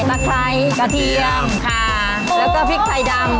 ไคร้กระเทียมค่ะแล้วก็พริกไทยดำ